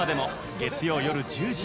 月曜夜１０時。